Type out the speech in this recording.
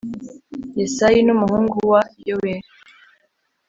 Yesayi numuhungu wa yoweli